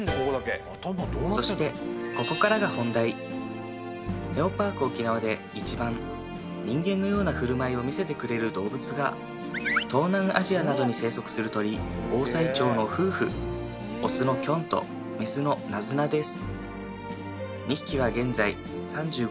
そしてここからが本題ネオパークオキナワで一番人間のような振る舞いを見せてくれる動物が東南アジアなどに生息する鳥オオサイチョウの夫婦オスのキョンとメスのナズナです